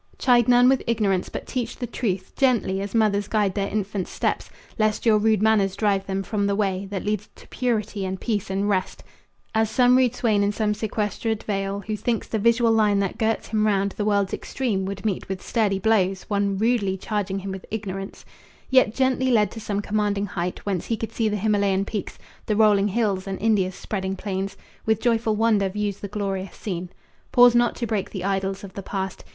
Chide none with ignorance, but teach the truth Gently, as mothers guide their infants' steps, Lest your rude manners drive them from the way That leads to purity and peace and rest As some rude swain in some sequestered vale, Who thinks the visual line that girts him round The world's extreme, would meet with sturdy blows One rudely charging him with ignorance, Yet gently led to some commanding height, Whence he could see the Himalayan peaks, The rolling hills and India's spreading plains, With joyful wonder views the glorious scene. Pause not to break the idols of the past.